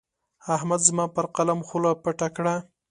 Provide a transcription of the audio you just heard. احمد زما پر قلم خوله پټه کړه.